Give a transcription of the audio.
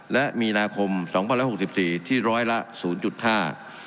และมีนาคม๒๐๖๔ที่๑๐๐ละ๐๕